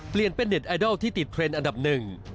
เปลี่ยนเป็นเน็ตไอดอลที่ติดเทรนดอันดับหนึ่ง